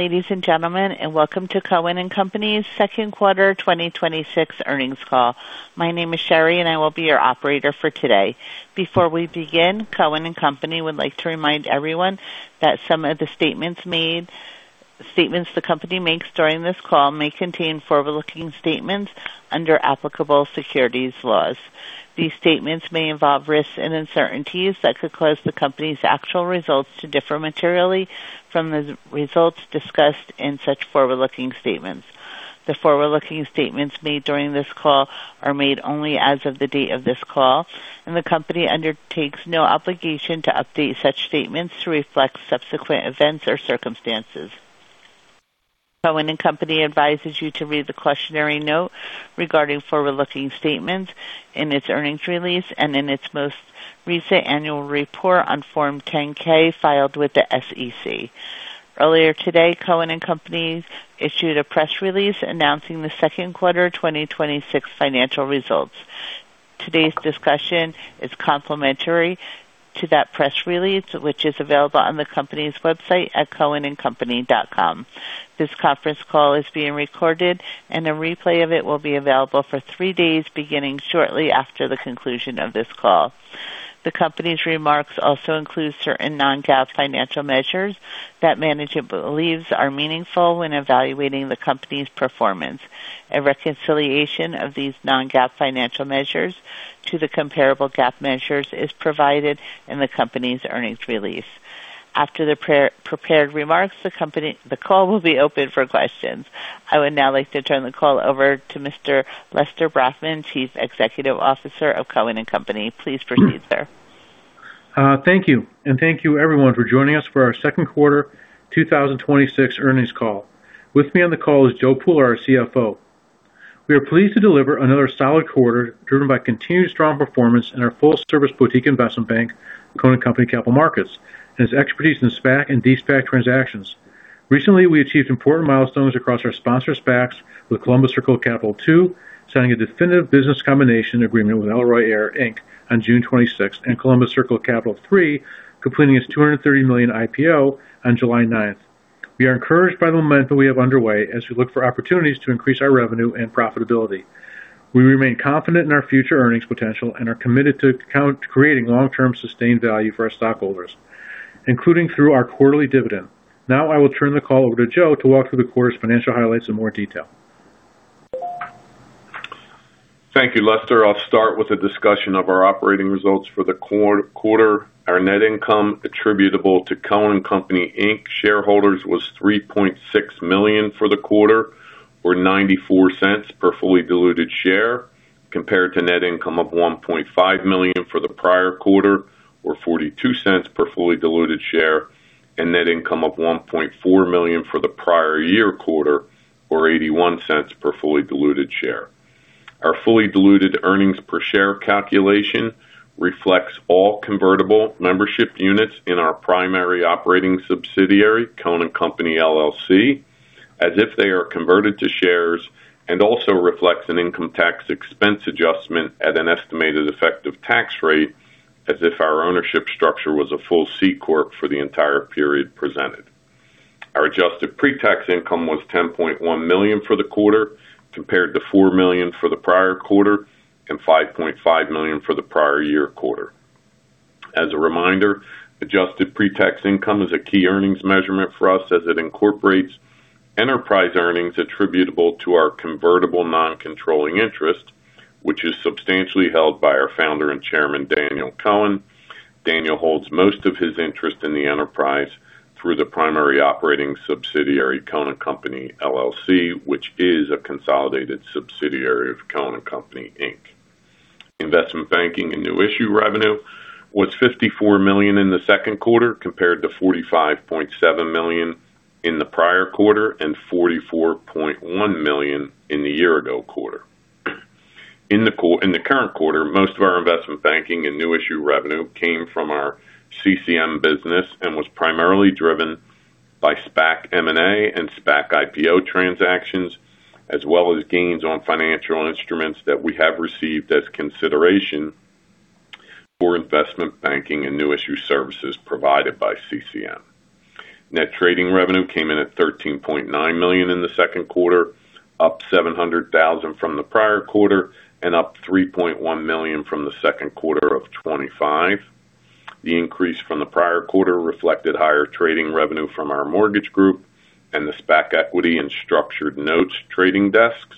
Ladies and gentlemen, welcome to Cohen & Company's second quarter 2026 earnings call. My name is Sherry, and I will be your operator for today. Before we begin, Cohen & Company would like to remind everyone that some of the statements the company makes during this call may contain forward-looking statements under applicable securities laws. These statements may involve risks and uncertainties that could cause the company's actual results to differ materially from the results discussed in such forward-looking statements. The forward-looking statements made during this call are made only as of the date of this call, and the company undertakes no obligation to update such statements to reflect subsequent events or circumstances. Cohen & Company advises you to read the cautionary note regarding forward-looking statements in its earnings release and in its most recent annual report on Form 10-K filed with the SEC. Earlier today, Cohen & Company issued a press release announcing the second quarter 2026 financial results. Today's discussion is complementary to that press release, which is available on the company's website at cohenandcompany.com. This conference call is being recorded, and a replay of it will be available for three days beginning shortly after the conclusion of this call. The company's remarks also include certain non-GAAP financial measures that management believes are meaningful when evaluating the company's performance. A reconciliation of these non-GAAP financial measures to the comparable GAAP measures is provided in the company's earnings release. After the prepared remarks, the call will be opened for questions. I would now like to turn the call over to Mr. Lester Brafman. He is Executive Officer of Cohen & Company. Please proceed, sir. Thank you everyone for joining us for our second quarter 2026 earnings call. With me on the call is Joe Pooler, our CFO. We are pleased to deliver another solid quarter driven by continued strong performance in our full-service boutique investment bank, Cohen & Company Capital Markets, and its expertise in SPAC and De-SPAC transactions. Recently, we achieved important milestones across our sponsor SPACs with Columbus Circle Capital II signing a definitive business combination agreement with Elroy Air Inc. on June 26, and Columbus Circle Capital III completing its $230 million IPO on July 9th. We are encouraged by the momentum we have underway as we look for opportunities to increase our revenue and profitability. We remain confident in our future earnings potential and are committed to creating long-term sustained value for our stockholders, including through our quarterly dividend. Now I will turn the call over to Joe to walk through the quarter's financial highlights in more detail. Thank you, Lester. I'll start with a discussion of our operating results for the quarter. Our net income attributable to Cohen & Company Inc. shareholders was $3.6 million for the quarter, or $0.94 per fully diluted share, compared to net income of $1.5 million for the prior quarter, or $0.42 per fully diluted share, and net income of $1.4 million for the prior year quarter, or $0.81 per fully diluted share. Our fully diluted earnings per share calculation reflects all convertible membership units in our primary operating subsidiary, Cohen & Company, LLC, as if they are converted to shares, and also reflects an income tax expense adjustment at an estimated effective tax rate as if our ownership structure was a full C-corp for the entire period presented. Our adjusted pre-tax income was $10.1 million for the quarter, compared to $4 million for the prior quarter and $5.5 million for the prior year quarter. As a reminder, adjusted pre-tax income is a key earnings measurement for us as it incorporates enterprise earnings attributable to our convertible non-controlling interest, which is substantially held by our founder and chairman, Daniel Cohen. Daniel holds most of his interest in the enterprise through the primary operating subsidiary, Cohen & Company, LLC, which is a consolidated subsidiary of Cohen & Company Inc. Investment banking and new issue revenue was $54 million in the second quarter, compared to $45.7 million in the prior quarter and $44.1 million in the year-ago quarter. In the current quarter, most of our investment banking and new issue revenue came from our CCM business and was primarily driven by SPAC M&A and SPAC IPO transactions, as well as gains on financial instruments that we have received as consideration for investment banking and new issue services provided by CCM. Net trading revenue came in at $13.9 million in the second quarter, up $700,000 from the prior quarter and up $3.1 million from the second quarter of 2025. The increase from the prior quarter reflected higher trading revenue from our mortgage group and the SPAC equity and structured notes trading desks.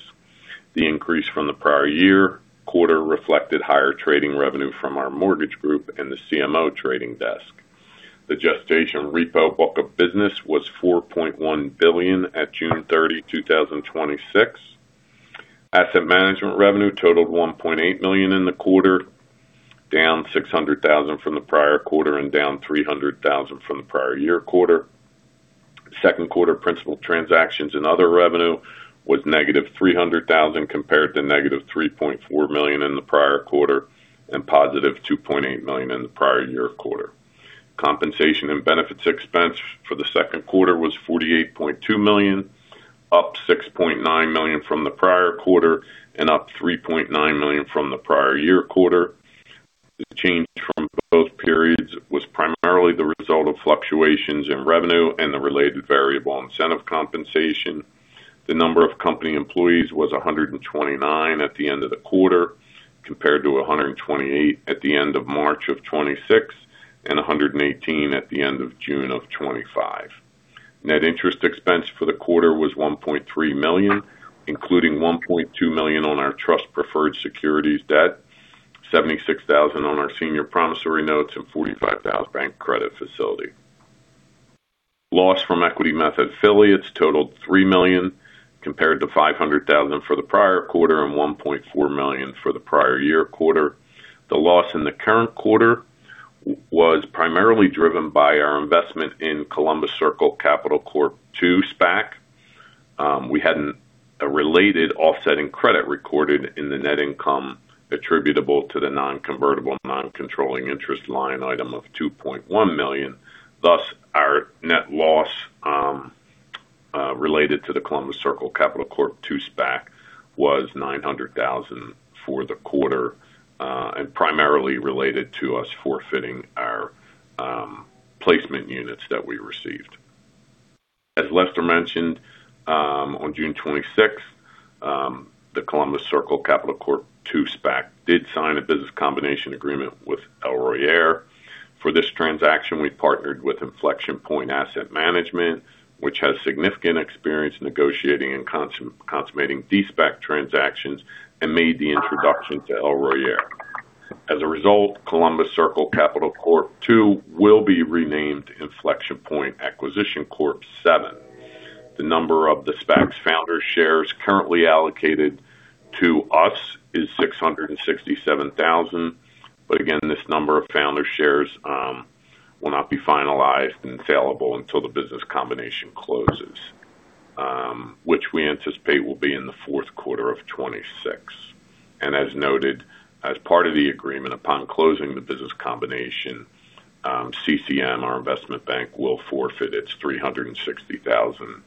The increase from the prior year quarter reflected higher trading revenue from our mortgage group and the CMO trading desk. The gestation repo book of business was $4.1 billion at June 30, 2026. Asset management revenue totaled $1.8 million in the quarter, down $600,000 from the prior quarter and down $300,000 from the prior year quarter. Second quarter principal transactions and other revenue was -$300,000, compared to -$3.4 million in the prior quarter and +$2.8 million in the prior year quarter. Compensation and benefits expense for the second quarter was $48.2 million, up $6.9 million from the prior quarter and up $3.9 million from the prior year quarter. The change from both periods was primarily the result of fluctuations in revenue and the related variable incentive compensation. The number of company employees was 129 at the end of the quarter, compared to 128 at the end of March of 2026, and 118 at the end of June of 2025. Net interest expense for the quarter was $1.3 million, including $1.2 million on our trust preferred securities debt, $76,000 on our senior promissory notes, and $45,000 bank credit facility. Loss from equity method affiliates totaled $3 million, compared to $500,000 for the prior quarter and $1.4 million for the prior year quarter. The loss in the current quarter was primarily driven by our investment in Columbus Circle Capital Corp. II SPAC. We had a related offsetting credit recorded in the net income attributable to the non-convertible, non-controlling interest line item of $2.1 million. Our net loss related to the Columbus Circle Capital Corp. II SPAC was $900,000 for the quarter and primarily related to us forfeiting our placement units that we received. As Lester mentioned, on June 26th, the Columbus Circle Capital Corp. II SPAC did sign a business combination agreement with Elroy Air. For this transaction, we partnered with Inflection Point Asset Management, which has significant experience negotiating and consummating de-SPAC transactions and made the introduction to Elroy Air. As a result, Columbus Circle Capital Corp. II will be renamed Inflection Point Acquisition Corp. VII. The number of the SPAC's founder shares currently allocated to us is 667,000. Again, this number of founder shares will not be finalized and saleable until the business combination closes, which we anticipate will be in the fourth quarter of 2026. As noted, as part of the agreement, upon closing the business combination, CCM, our investment bank, will forfeit its 360,000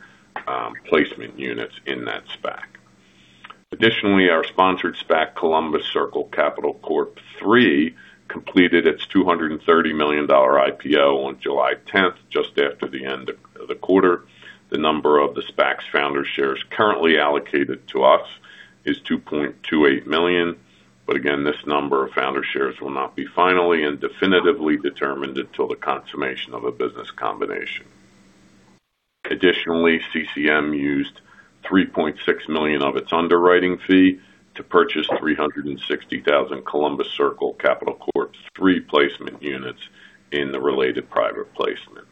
placement units in that SPAC. Additionally, our sponsored SPAC, Columbus Circle Capital Corp. III, completed its $230 million IPO on July 10th, just after the end of the quarter. The number of the SPAC's founder shares currently allocated to us is 2.28 million. Again, this number of founder shares will not be finally and definitively determined until the consummation of a business combination. Additionally, CCM used $3.6 million of its underwriting fee to purchase 360,000 Columbus Circle Capital Corp. III placement units in the related private placement.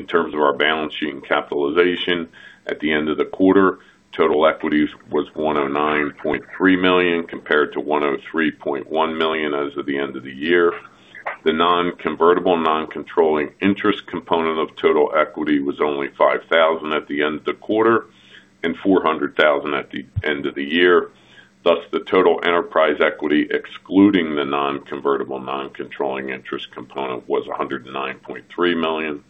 In terms of our balance sheet and capitalization at the end of the quarter, total equities was $109.3 million, compared to $103.1 million as of the end of the year. The non-convertible, non-controlling interest component of total equity was only $5,000 at the end of the quarter and $400,000 at the end of the year. The total enterprise equity, excluding the non-convertible, non-controlling interest component, was $109.3 million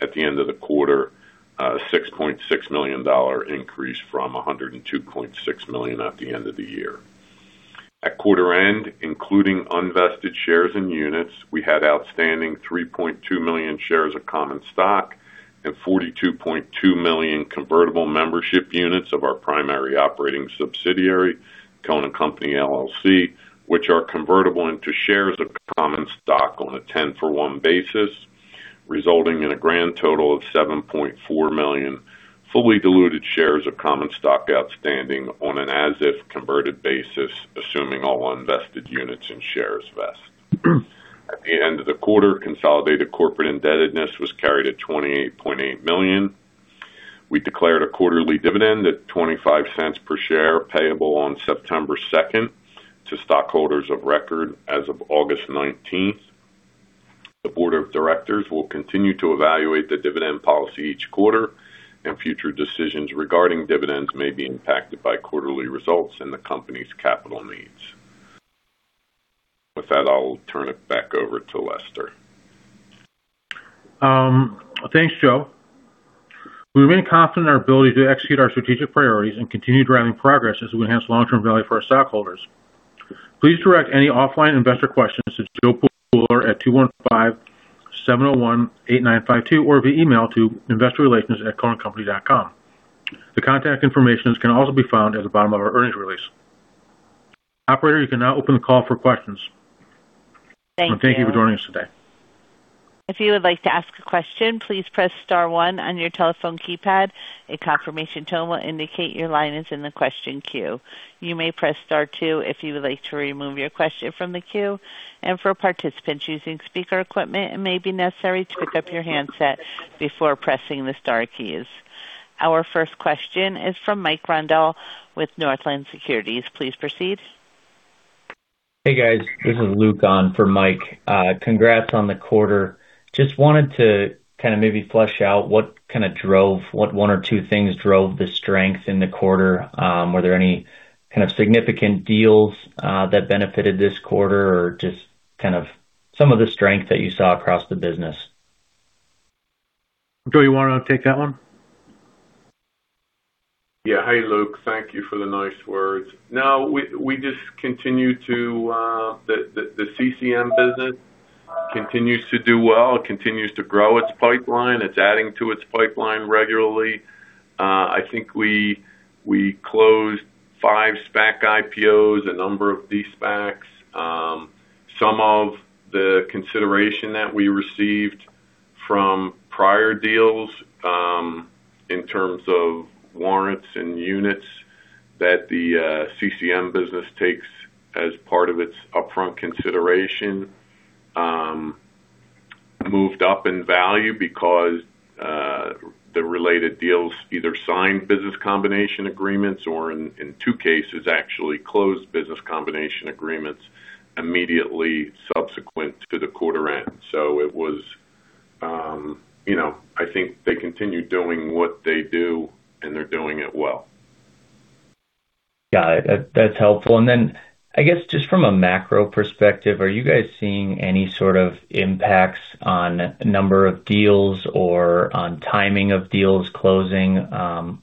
at the end of the quarter, a $6.6 million increase from $102.6 million at the end of the year. At quarter end, including unvested shares and units, we had outstanding 3.2 million shares of common stock and 42.2 million convertible membership units of our primary operating subsidiary, Cohen & Company, LLC, which are convertible into shares of common stock on a 10-for-one basis, resulting in a grand total of $7.4 million fully diluted shares of common stock outstanding on an as-if converted basis, assuming all unvested units and shares vest. At the end of the quarter, consolidated corporate indebtedness was carried at $28.8 million. We declared a quarterly dividend at $0.25 per share, payable on September 2nd to stockholders of record as of August 19th. The board of directors will continue to evaluate the dividend policy each quarter, future decisions regarding dividends may be impacted by quarterly results and the company's capital needs. With that, I'll turn it back over to Lester. Thanks, Joe. We remain confident in our ability to execute our strategic priorities and continue driving progress as we enhance long-term value for our stockholders. Please direct any offline investor questions to Joseph Pooler at 215-701-8952 or via email to investorrelations@cohenandcompany.com. The contact information can also be found at the bottom of our earnings release. Operator, you can now open the call for questions. Thank you. Thank you for joining us today. If you would like to ask a question, please press star one on your telephone keypad. A confirmation tone will indicate your line is in the question queue. You may press star two if you would like to remove your question from the queue. For participants using speaker equipment, it may be necessary to pick up your handset before pressing the star keys. Our first question is from Mike Grondahl with Northland Securities. Please proceed. Hey, guys. This is Luke on for Mike. Congrats on the quarter. Wanted to kind of maybe flesh out what one or two things drove the strength in the quarter. Were there any kind of significant deals that benefited this quarter or some of the strength that you saw across the business? Joe, you want to take that one? Yeah. Hey, Luke. Thank you for the nice words. The CCM business continues to do well. It continues to grow its pipeline. It's adding to its pipeline regularly. I think we closed five SPAC IPOs, a number of De-SPACs. Some of the consideration that we received from prior deals, in terms of warrants and units that the CCM business takes as part of its upfront consideration, moved up in value because the related deals either signed business combination agreements or, in two cases, actually closed business combination agreements immediately subsequent to the quarter end. I think they continue doing what they do, and they're doing it well. Yeah. That's helpful. From a macro perspective, are you guys seeing any sort of impacts on number of deals or on timing of deals closing? No,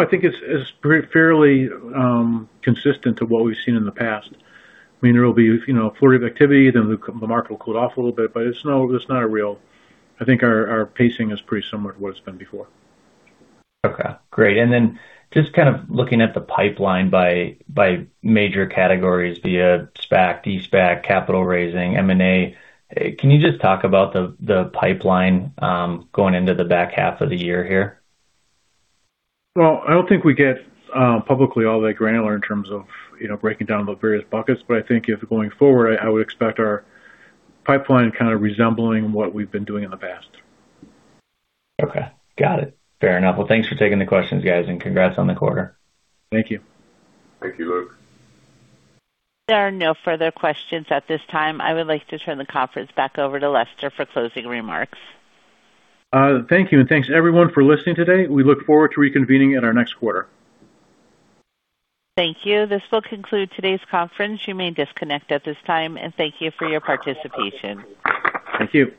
I think it's fairly consistent to what we've seen in the past. There'll be a flurry of activity, then the market will cool off a little bit, but it's not a real I think our pacing is pretty similar to what it's been before. Okay, great. Then just kind of looking at the pipeline by major categories via SPAC, de-SPAC, capital raising, M&A, can you just talk about the pipeline going into the back half of the year here? Well, I don't think we get publicly all that granular in terms of breaking down the various buckets, I think going forward, I would expect our pipeline kind of resembling what we've been doing in the past. Okay. Got it. Fair enough. Well, thanks for taking the questions, guys, congrats on the quarter. Thank you. Thank you, Luke. There are no further questions at this time. I would like to turn the conference back over to Lester for closing remarks. Thank you. Thanks everyone for listening today. We look forward to reconvening at our next quarter. Thank you. This will conclude today's conference. You may disconnect at this time, and thank you for your participation. Thank you.